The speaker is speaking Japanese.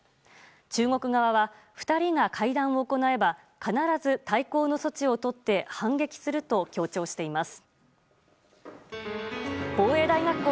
中国側は２人が会談を行えば必ず対抗の措置をとって反撃すると強調しています。